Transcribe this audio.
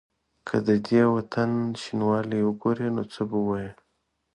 که د دې وطن شینوالی وګوري نو څه به وايي؟